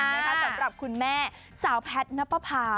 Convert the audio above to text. สำหรับคุณแม่สาวแพทย์นับประพา